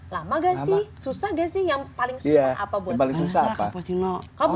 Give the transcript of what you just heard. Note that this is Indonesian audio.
lama gak sih susah gak sih yang paling susah apa buat manusia